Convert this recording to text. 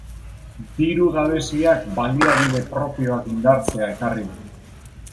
Diru gabeziak baliabide propioak indartzea ekarri du.